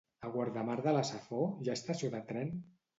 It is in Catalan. A Guardamar de la Safor hi ha estació de tren?